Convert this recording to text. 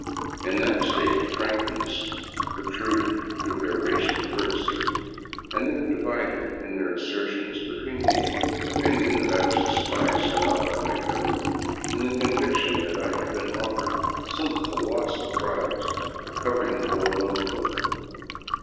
In that state, frankness protruded through their racial courtesy, and they were divided in their assertions between the opinion that I was a spy sent out by my government and the conviction that I had been offered some colossal prize for covering the world on foot.